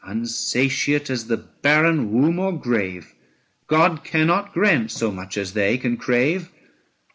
Unsatiate as the barren womb or grave, God cannot grant so much as they can crave.